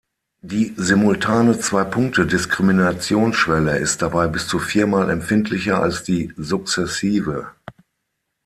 Die simultane Zwei-Punkte-Diskriminationsschwelle ist dabei bis zu vier Mal empfindlicher als die sukzessive.